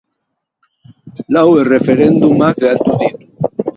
Lau erreferendumak galdu ditu.